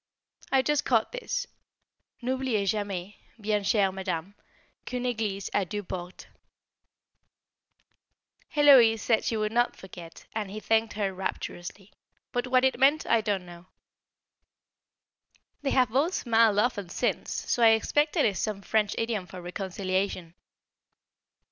I just caught this: "N'oubliez jamais, bien chère Madame, qu'une église a deux portes." Héloise said she would not forget, and he thanked her rapturously; but what it meant I don't know. They have both smiled often since so I expect it is some French idiom for reconciliation.